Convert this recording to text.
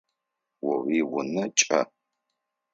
О уиунэ кӏэ.